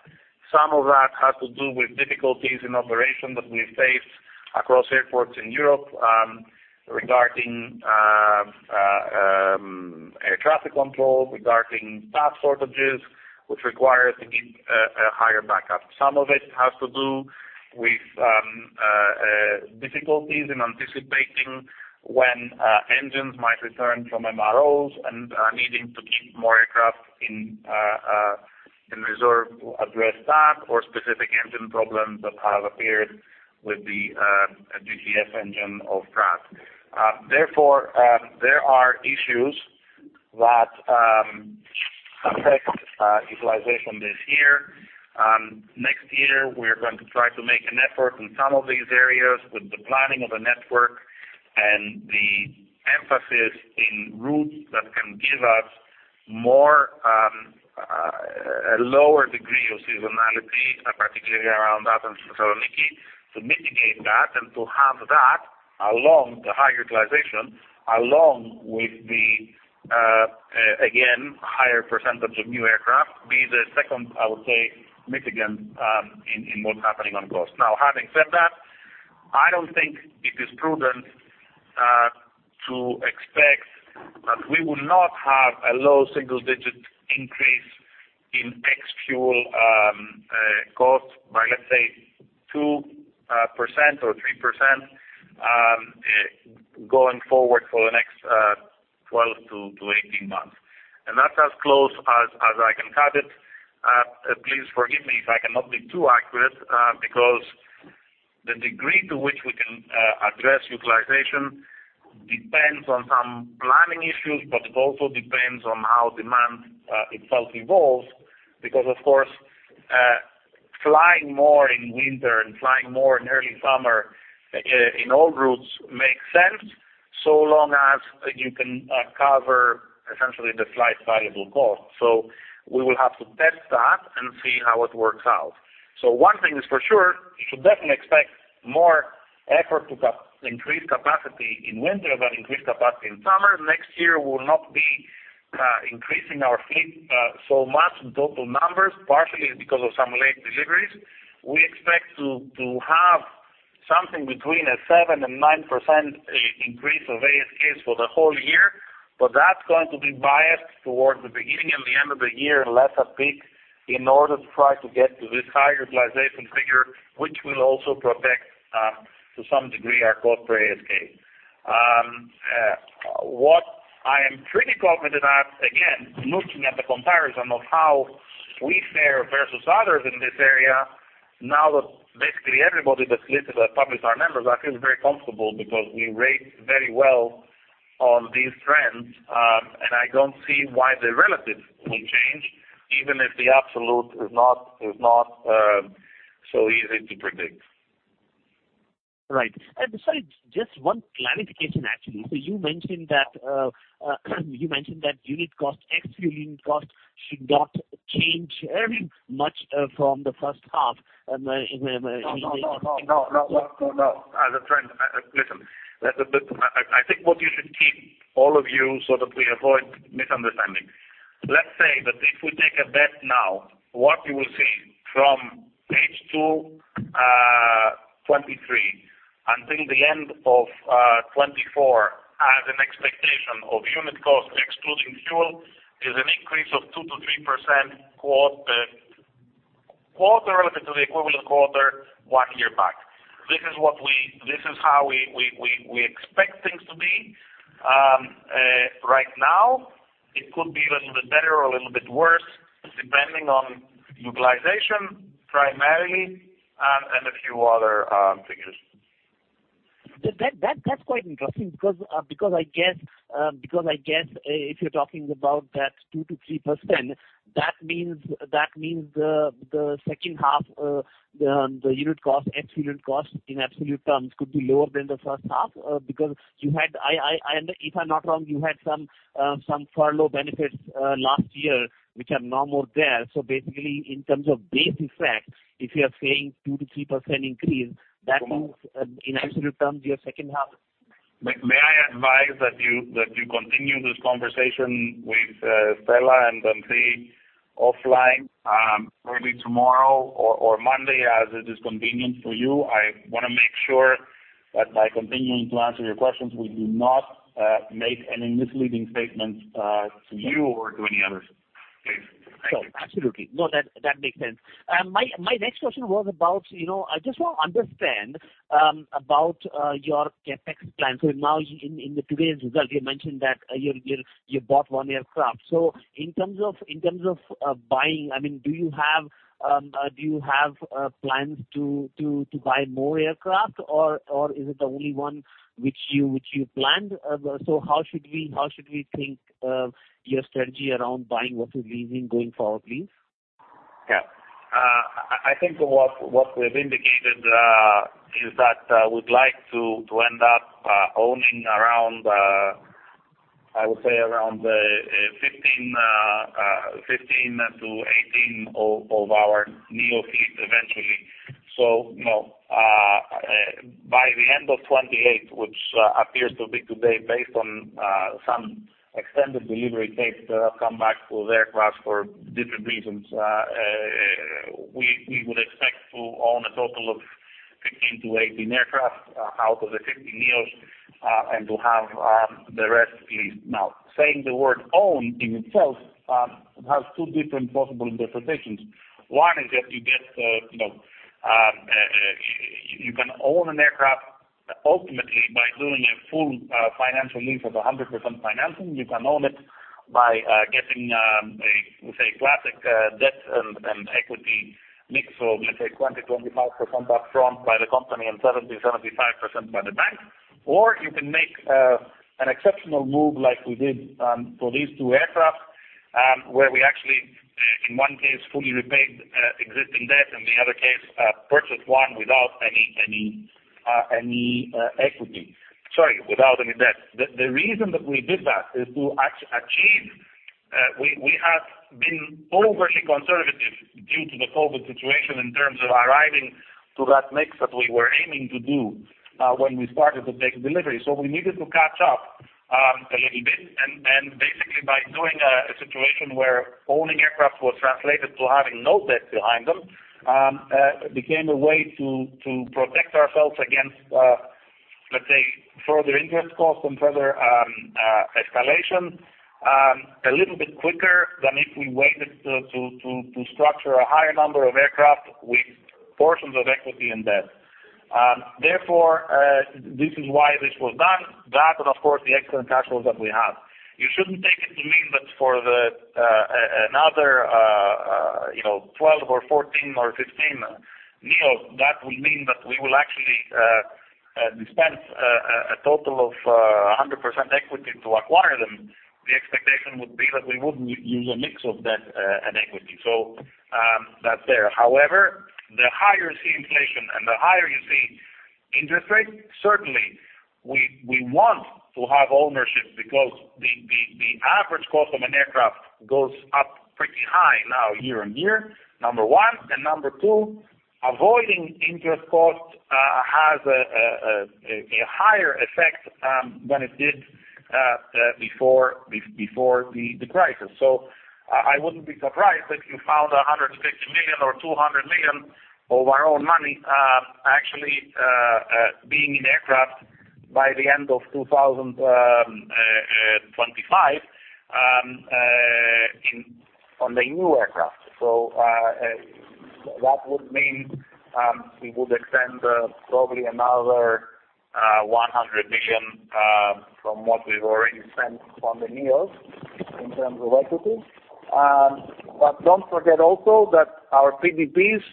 Some of that has to do with difficulties in operation that we faced across airports in Europe, regarding air traffic control, regarding staff shortages, which require us to keep a higher backup. Some of it has to do with difficulties in anticipating when engines might return from MROs and needing to keep more aircraft in reserve to address that, or specific engine problems that have appeared with the GTF engine of Pratt. Therefore, there are issues that affect utilization this year. Next year, we're going to try to make an effort in some of these areas with the planning of a network and the emphasis in routes that can give us more, a lower degree of seasonality, particularly around Athens and Thessaloniki, to mitigate that and to have that along the high utilization, along with the, again, higher percentage of new aircraft, be the second, I would say, mitigant, in, in what's happening on cost. Now, having said that, I don't think it is prudent, to expect that we will not have a low single-digit increase in ex-fuel, cost by, let's say, 2% or 3%, going forward for the next, 12-18 months. That's as close as, as I can have it. Please forgive me if I cannot be too accurate, because the degree to which we can address utilization depends on some planning issues, but it also depends on how demand itself evolves. Because of course, flying more in winter and flying more in early summer in all routes makes sense, so long as you can cover essentially the flight's variable cost. So we will have to test that and see how it works out. So one thing is for sure, you should definitely expect more effort to increase capacity in winter than increase capacity in summer. Next year, we will not be increasing our fleet so much in total numbers, partially because of some late deliveries. We expect to have something between 7% and 9% increase of ASKs for the whole year, but that's going to be biased towards the beginning and the end of the year and less at peak in order to try to get to this higher utilization figure, which will also protect to some degree our cost per ASK. What I am pretty confident at, again, looking at the comparison of how we fare versus others in this area, now that basically everybody that's listed as public are members, I feel very comfortable because we rate very well on these trends, and I don't see why the relatives will change, even if the absolute is not so easy to predict. Right. And besides, just one clarification, actually. So you mentioned that unit cost, ex-fuel unit cost should not change very much from the first half in the- No, no, no, no, no, no, no. As a trend, listen, listen, I think what you should keep all of you so that we avoid misunderstanding. Let's say that if we take a bet now, what you will see from H2 2023 until the end of 2024, as an expectation of unit cost, excluding fuel, is an increase of 2%-3% quarter quarter relevant to the equivalent quarter one year back. This is what we—this is how we expect things to be. Right now, it could be a little bit better or a little bit worse, depending on utilization, primarily, and a few other figures. That's quite interesting because I guess if you're talking about that 2%-3%, that means the second half, the unit cost, ex-unit cost in absolute terms, could be lower than the first half. Because you had, and if I'm not wrong, you had some furlough benefits last year, which are no more there. So basically, in terms of base effect, if you are saying 2%-3% increase, that means in absolute terms, your second half- May I advise that you continue this conversation with Stela and Anthi offline early tomorrow or Monday, as it is convenient for you. I want to make sure that by continuing to answer your questions, we do not make any misleading statements to you or to any others. So absolutely. No, that makes sense. My next question was about, you know, I just want to understand about your CapEx plan. So now in today's results, you mentioned that you bought one aircraft. So in terms of buying, I mean, do you have plans to buy more aircraft, or is it the only one which you planned? So how should we think of your strategy around buying versus leasing going forward, please? Yeah. I think what we've indicated is that we'd like to end up owning around, I would say around, 15-18 of our NEO fleet eventually. So, you know, by the end of 2028, which appears to be today, based on some extended delivery dates that have come back for the aircraft for different reasons, we would expect to own a total of 15-18 aircraft out of the 50 NEOs, and to have the rest leased. Now, saying the word own in itself has two different possible interpretations. One is that you get, you know, you can own an aircraft ultimately by doing a full financial lease of 100% financing. You can own it by getting a, let's say, classic debt and equity mix of, let's say, 20%-25% up front by the company and 70%-75% by the bank. Or you can make an exceptional move like we did for these 2 aircraft, where we actually in one case fully repaid existing debt, and the other case purchased one without any equity. Sorry, without any debt. The reason that we did that is to achieve. We have been overly conservative due to the COVID situation in terms of arriving to that mix that we were aiming to do when we started to take delivery. So we needed to catch up a little bit, and basically by doing a situation where owning aircraft was translated to having no debt behind them, became a way to protect ourselves against, let's say, further interest costs and further escalation a little bit quicker than if we waited to structure a higher number of aircraft with portions of equity and debt. Therefore, this is why this was done. That, and of course, the excellent cash flows that we have. You shouldn't take it to mean that for another, you know, 12 or 14 or 15 NEOs, that will mean that we will actually dispense a total of 100% equity to acquire them. The expectation would be that we would use a mix of debt and equity. So, that's there. However, the higher you see inflation and the higher you see interest rates, certainly we want to have ownership because the average cost of an aircraft goes up pretty high now, year on year, number one, and number two, avoiding interest costs has a higher effect than it did before the crisis. So I wouldn't be surprised if you found 150 million or 200 million of our own money, actually, being in aircraft by the end of 2025 in on the new aircraft. So, that would mean we would extend probably another 100 million from what we've already spent on the NEOs in terms of equity. But don't forget also that our PDPs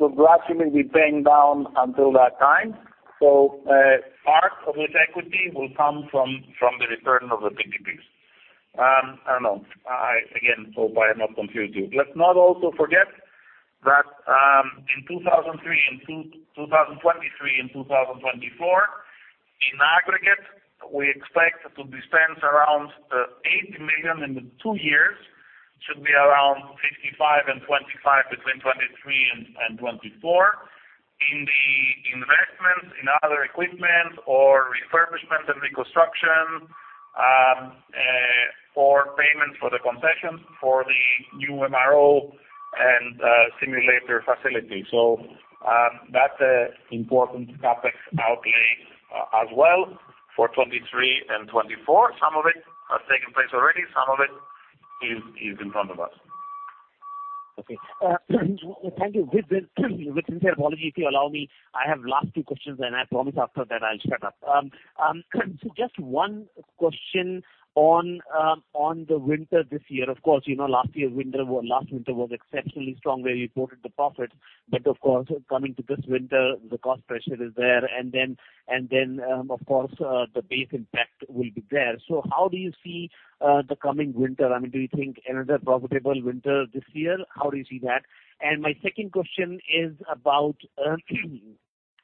will gradually be paying down until that time. So, part of this equity will come from the return of the PDPs. I don't know. I again hope I have not confused you. Let's not also forget that in 2023 and 2024, in aggregate, we expect to dispense around 80 million in the two years. Should be around 55 million and 25 million between 2023 and 2024. In the investments in other equipment or refurbishment and reconstruction for payments for the concessions for the new MRO and simulator facility. So, that's a important CapEx outlay as well for 2023 and 2024. Some of it has taken place already. Some of it is in front of us. Okay. Thank you. With this, with sincere apology, if you allow me, I have last two questions, and I promise after that, I'll shut up. So just one question on the winter this year. Of course, you know, last year, last winter was exceptionally strong, where you reported the profit, but of course, coming to this winter, the cost pressure is there, and then, of course, the base impact will be there. So how do you see the coming winter? I mean, do you think another profitable winter this year? How do you see that? And my second question is about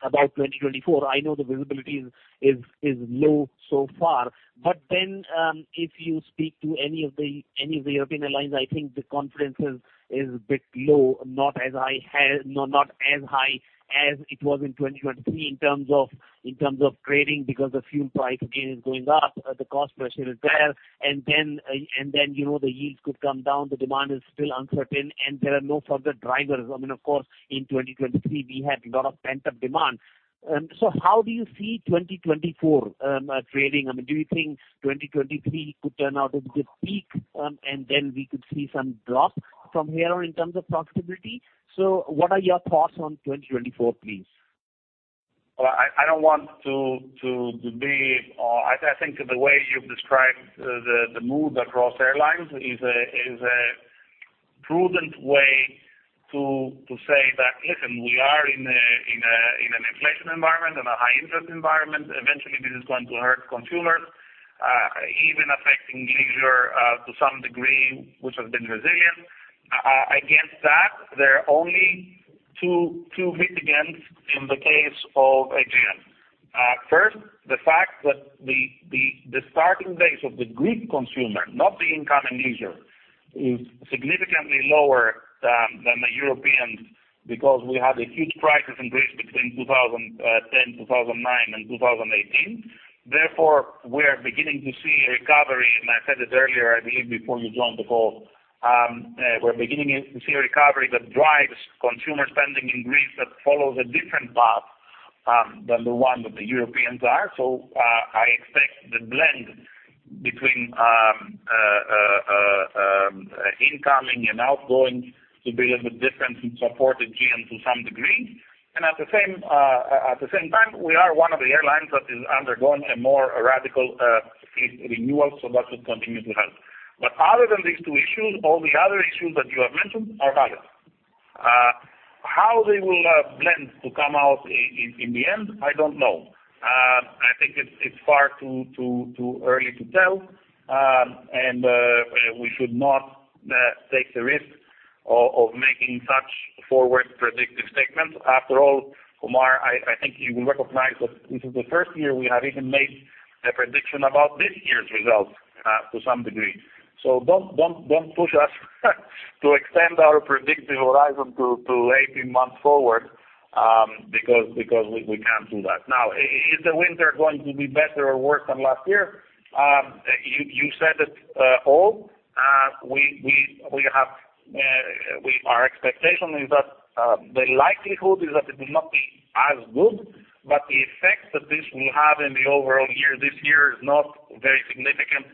2024. I know the visibility is low so far, but then, if you speak to any of the European airlines, I think the confidence is a bit low, not as high as it was in 2023 in terms of trading, because the fuel price again is going up, the cost pressure is there, and then, you know, the yields could come down, the demand is still uncertain, and there are no further drivers. I mean, of course, in 2023, we had a lot of pent-up demand. So how do you see 2024 trading? I mean, do you think 2023 could turn out to be the peak, and then we could see some drop from here on in terms of profitability? What are your thoughts on 2024, please? Well, I don't want to be, I think the way you've described the mood across airlines is a prudent way to say that, listen, we are in an inflation environment and a high interest environment. Eventually, this is going to hurt consumers, even affecting leisure to some degree, which has been resilient. Against that, there are only 2 mitigants in the case of Aegean. First, the fact that the starting base of the Greek consumer, not the incoming leisure, is significantly lower than the Europeans because we had a huge crisis in Greece between 2010, 2009, and 2018. Therefore, we are beginning to see a recovery, and I said it earlier, I believe, before you joined the call. We're beginning to see a recovery that drives consumer spending in Greece that follows a different path than the one that the Europeans are. So, I expect the blend between incoming and outgoing to be a little bit different and support Aegean to some degree. And at the same time, we are one of the airlines that is undergoing a more radical fleet renewal, so that should continue to help. But other than these two issues, all the other issues that you have mentioned are valid. How they will blend to come out in the end, I don't know. I think it's far too early to tell, and we should not take the risk of making such forward predictive statements. After all, Omar, I think you will recognize that this is the first year we have even made a prediction about this year's results, to some degree. So don't push us to extend our predictive horizon to 18 months forward, because we can't do that. Now, is the winter going to be better or worse than last year? You said it all. Our expectation is that the likelihood is that it will not be as good, but the effect that this will have in the overall year, this year, is not very significant,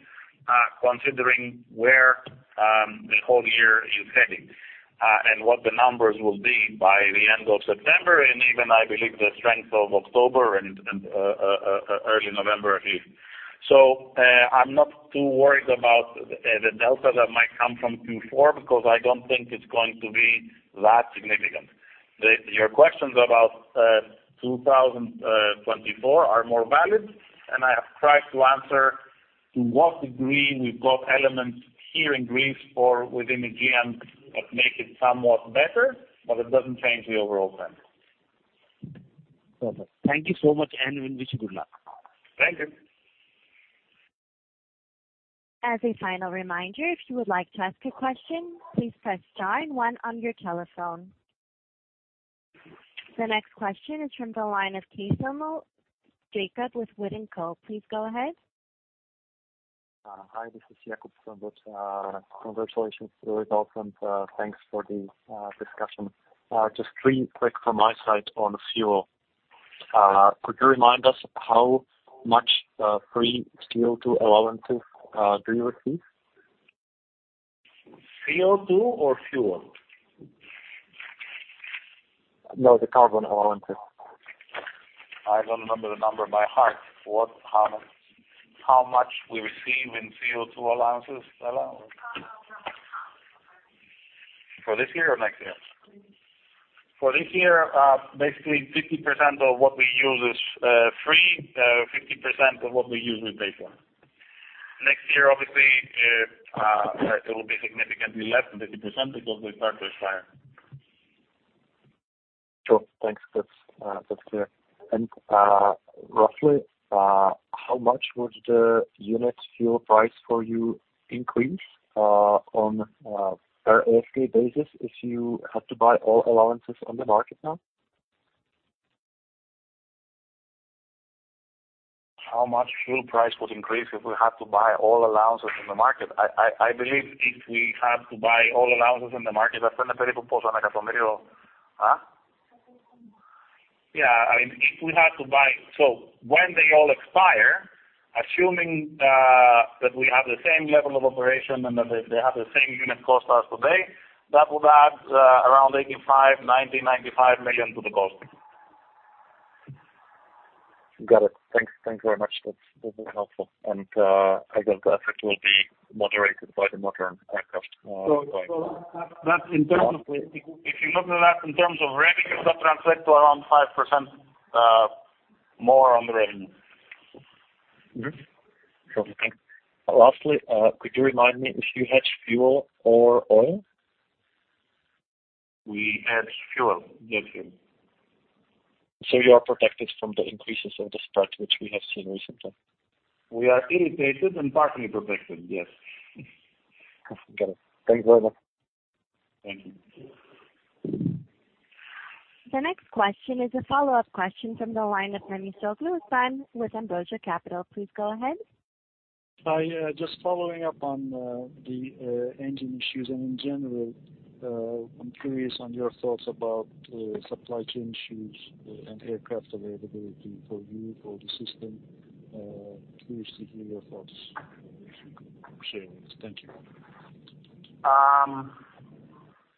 considering where the whole year is heading, and what the numbers will be by the end of September, and even, I believe, the strength of October and early November here. So, I'm not too worried about the delta that might come from Q4, because I don't think it's going to be that significant. Your questions about 2024 are more valid, and I have tried to answer to what degree we've got elements here in Greece or within Aegean that make it somewhat better, but it doesn't change the overall blend. Perfect. Thank you so much, and we wish you good luck. Thank you. As a final reminder, if you would like to ask a question, please press star one on your telephone. The next question is from the line of Jakub Caithaml with Wood & Co. Please go ahead. Hi, this is Jakub Caithaml. Congratulations for the results, and thanks for the discussion. Just three quick from my side on fuel. Could you remind us how much free CO2 allowances do you receive? CO2 or fuel? No, the carbon allowances. I don't remember the number by heart. What, how, how much we receive in CO2 allowances allowed? Next time. For this year or next year? Next. For this year, basically 50% of what we use is free, 50% of what we use we pay for. Next year, obviously, it will be significantly less than 50% because we purchased higher. Sure. Thanks. That's, that's clear. And, roughly, how much would the unit fuel price for you increase, on a per ASK basis if you had to buy all allowances on the market now? How much fuel price would increase if we had to buy all allowances in the market? I believe if we had to buy all allowances in the market, huh?... Yeah, I mean, if we had to buy... So when they all expire, assuming that we have the same level of operation and that they, they have the same unit cost as today, that would add around 85, 90, 95 million to the cost. Got it. Thanks. Thank you very much. That's, this is helpful. I guess the effect will be moderated by the modern aircraft, going- So that that's in terms of if you look at that in terms of revenue, that translate to around 5% more on the revenue. Mm-hmm. Sure. Thanks. Lastly, could you remind me if you hedge fuel or oil? We hedge fuel. Yes, we do. You are protected from the increases of the spot, which we have seen recently? We are irritated and partly protected, yes. Got it. Thank you very much. Thank you. The next question is a follow-up question from the line of Paris Mantzavras with Ambrosia Capital. Please go ahead. Hi, just following up on the engine issues, and in general, I'm curious on your thoughts about supply chain issues, and aircraft availability for you, for the system. Curious to hear your thoughts if you could share with us. Thank you.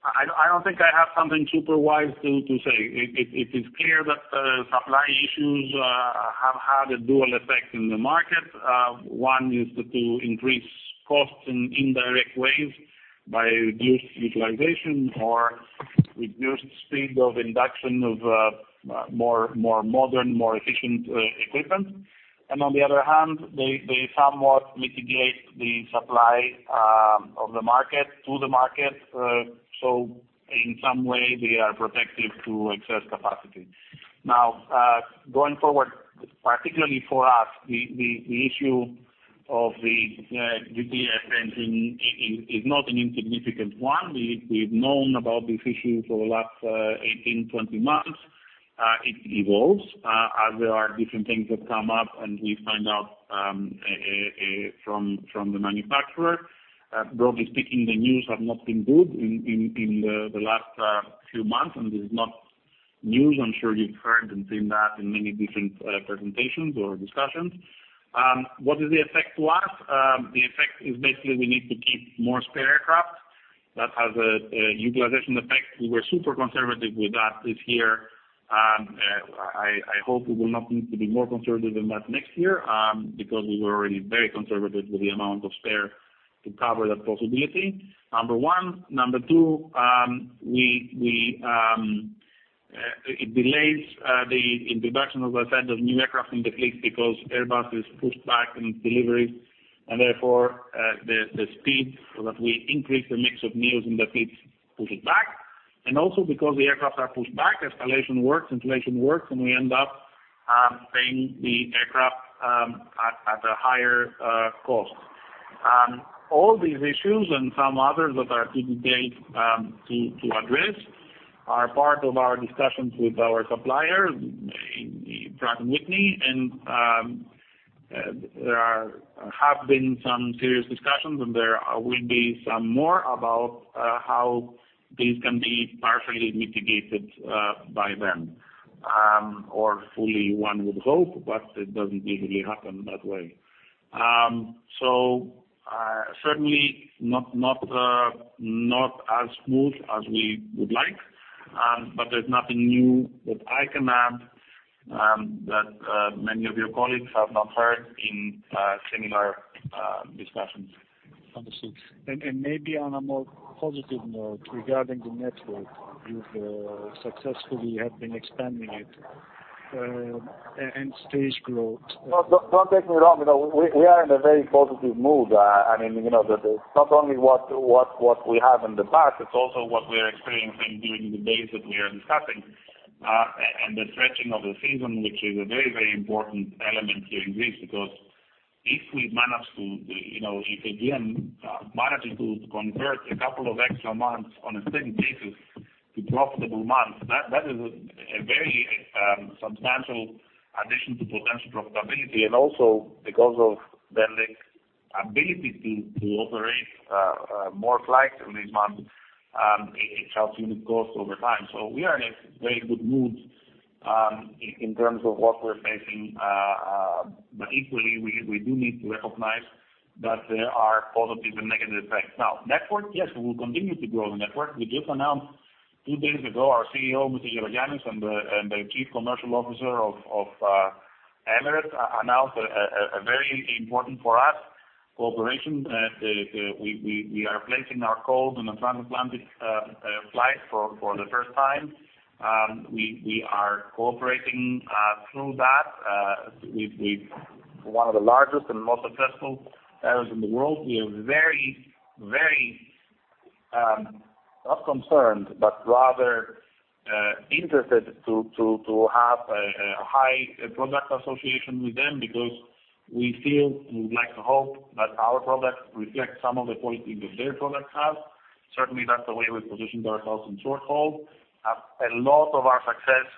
I don't think I have something super wise to say. It is clear that supply issues have had a dual effect in the market. One is to increase costs in indirect ways by reduced utilization or reduced speed of induction of more modern, more efficient equipment. And on the other hand, they somewhat mitigate the supply of the market to the market. So in some way, they are protective to excess capacity. Now, going forward, particularly for us, the issue of the GTF engine is not an insignificant one. We've known about these issues over the last 18, 20 months. It evolves as there are different things that come up, and we find out from the manufacturer. Broadly speaking, the news have not been good in the last few months, and this is not news. I'm sure you've heard and seen that in many different presentations or discussions. What is the effect to us? The effect is basically we need to keep more spare aircraft. That has a utilization effect. We were super conservative with that this year. I hope we will not need to be more conservative than that next year, because we were already very conservative with the amount of spare to cover that possibility, number one. Number two, it delays the introduction, as I said, of new aircraft in the fleet because Airbus is pushed back in deliveries, and therefore, the speed that we increase the mix of new in the fleet pushes back. And also because the aircraft are pushed back, escalation works, inflation works, and we end up paying the aircraft at a higher cost. All these issues and some others that are yet to be addressed are part of our discussions with our supplier, Pratt & Whitney, and have been some serious discussions, and there will be some more about how these can be partially mitigated by them or fully one would hope, but it doesn't usually happen that way. So, certainly not as smooth as we would like, but there's nothing new that I can add that many of your colleagues have not heard in similar discussions. Understood. And maybe on a more positive note regarding the network, you've successfully have been expanding it, and stage growth. No, don't take me wrong. You know, we are in a very positive mood. I mean, you know, that it's not only what we have in the past, it's also what we are experiencing during the days that we are discussing, and the stretching of the season, which is a very, very important element here in this, because if we manage to, you know, convert a couple of extra months on a steady basis to profitable months, that is a very substantial addition to potential profitability, and also because of the ability to operate more flights in these months, it helps unit cost over time. So we are in a very good mood, in terms of what we're facing, but equally, we do need to recognize that there are positive and negative effects. Now, network, yes, we will continue to grow the network. We just announced two days ago, our CEO, Mr. Gerogiannis, and the Chief Commercial Officer of Emirates announced a very important for us cooperation. We are placing our code on a transatlantic flight for the first time. We are cooperating through that with one of the largest and most successful airlines in the world. We are very, very, not concerned, but rather, interested to have a high product association with them because we feel, we would like to hope that our product reflects some of the qualities that their product has. Certainly, that's the way we positioned ourselves in short haul. A lot of our success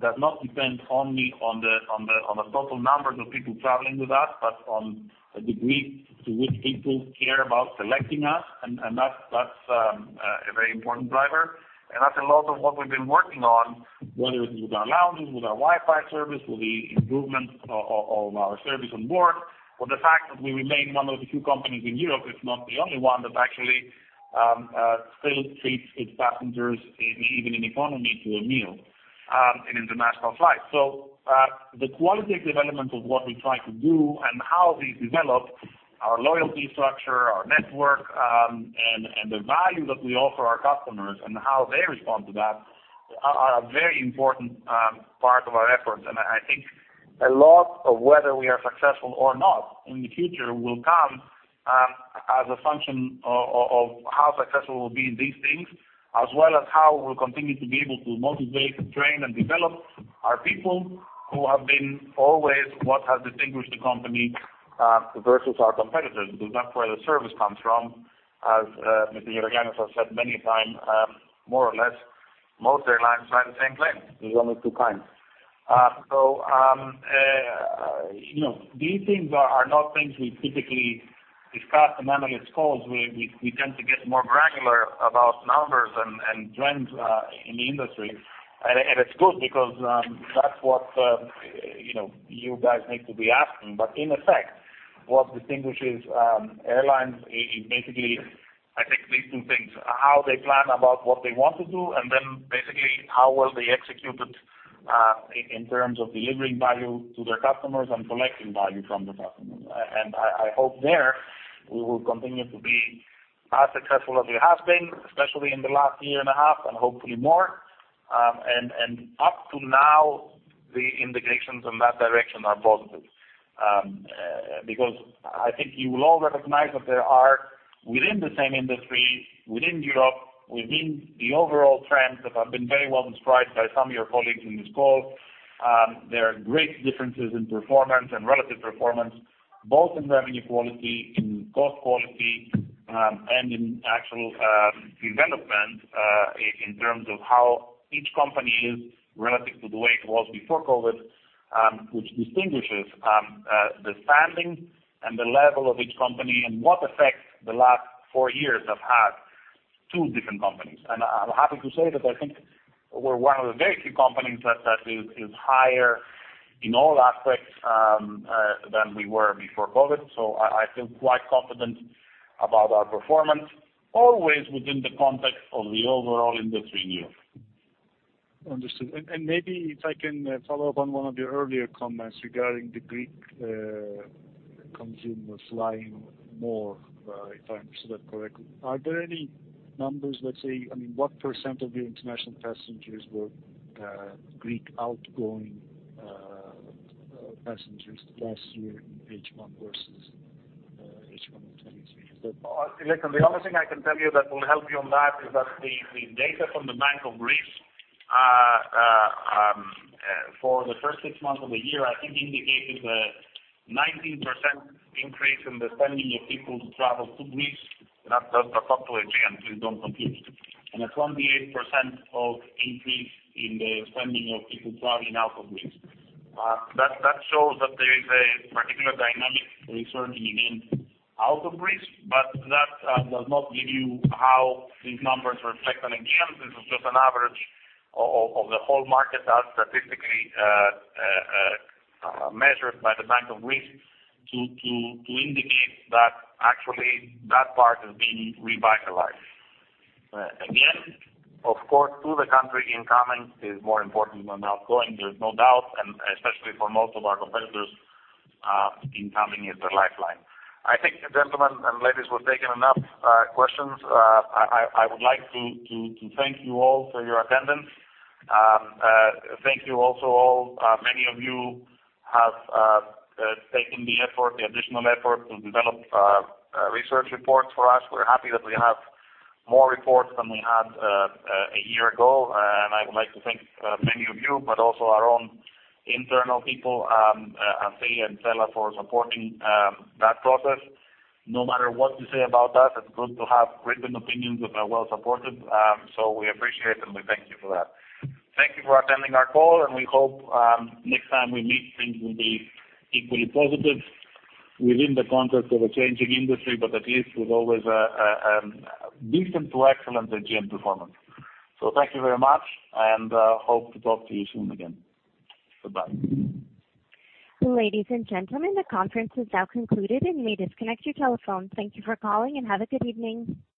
does not depend only on the total numbers of people traveling with us, but on the degree to which people care about selecting us, and that's a very important driver. That's a lot of what we've been working on, whether it's with our lounges, with our Wi-Fi service, with the improvements of our service on board, or the fact that we remain one of the few companies in Europe, if not the only one, that actually still treats its passengers, even in economy, to a meal in international flights. So, the qualitative element of what we try to do and how these develop our loyalty structure, our network, and the value that we offer our customers and how they respond to that are a very important part of our efforts. And I think a lot of whether we are successful or not in the future will come, as a function of how successful will be these things, as well as how we'll continue to be able to motivate, train, and develop our people, who have been always what has distinguished the company, versus our competitors, because that's where the service comes from. As Mr. Gerogiannis has said many a time, more or less, most airlines fly the same plane. There's only two kinds. You know, these things are not things we typically discuss on analyst calls. We tend to get more granular about numbers and trends in the industry. And it's good because, that's what you know, you guys need to be asking. But in effect... What distinguishes airlines is basically, I think, these two things: how they plan about what they want to do, and then basically how well they execute it, in terms of delivering value to their customers and collecting value from the customers. And I hope there we will continue to be as successful as it has been, especially in the last year and a half, and hopefully more. And up to now, the indications in that direction are positive. Because I think you will all recognize that there are within the same industry, within Europe, within the overall trends that have been very well described by some of your colleagues in this call, there are great differences in performance and relative performance, both in revenue quality, in cost quality, and in actual development, in terms of how each company is relative to the way it was before COVID, which distinguishes the standing and the level of each company and what effect the last four years have had to different companies. And I'm happy to say that I think we're one of the very few companies that, that is, is higher in all aspects, than we were before COVID. So I, I feel quite confident about our performance, always within the context of the overall industry view. Understood. And maybe if I can follow up on one of your earlier comments regarding the Greek consumer flying more, if I understood that correctly. Are there any numbers, let's say, I mean, what % of your international passengers were Greek outgoing passengers last year in H1 versus H1 in 2023? Listen, the only thing I can tell you that will help you on that is that the data from the Bank of Greece for the first six months of the year, I think indicates a 19% increase in the spending of people who travel to Greece, and that's just to Aegean, please don't confuse it, and a 28% of increase in the spending of people traveling out of Greece. That shows that there is a particular dynamic research in out of Greece, but that does not give you how these numbers reflect on Aegean. This is just an average of the whole market that statistically measured by the Bank of Greece to indicate that actually that part is being revitalized. Again, of course, to the country, incoming is more important than outgoing, there's no doubt, and especially for most of our competitors, incoming is their lifeline. I think, gentlemen and ladies, we've taken enough questions. I would like to thank you all for your attendance. Thank you also all, many of you have taken the effort, the additional effort to develop research reports for us. We're happy that we have more reports than we had a year ago, and I would like to thank many of you, but also our own internal people, Asia and Stella, for supporting that process. No matter what you say about us, it's good to have written opinions that are well supported, so we appreciate and we thank you for that. Thank you for attending our call, and we hope next time we meet, things will be equally positive within the context of a changing industry, but at least with always a decent to excellent Aegean performance. So thank you very much, and hope to talk to you soon again. Bye-bye. Ladies and gentlemen, the conference is now concluded and you may disconnect your telephone. Thank you for calling and have a good evening.